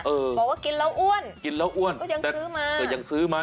เออบอกว่ากินแล้วอ้วนก็ยังซื้อมา